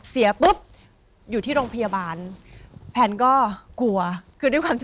กลัวยายตัวเองเป็นคนกลัวผีอยู่แล้ว